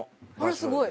すごい。